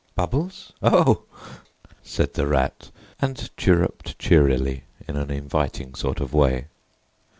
"Bubbles? Oho!" said the Rat, and chirruped cheerily in an inviting sort of way.